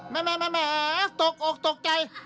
แม่ตกตกใจ